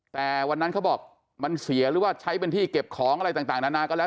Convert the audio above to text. แต่วันนั้นเขาบอกมันเสียหรือว่าใช้เป็นที่เก็บของอะไรต่างนานาก็แล้ว